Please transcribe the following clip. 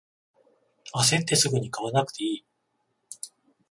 あせってすぐに買わなくていい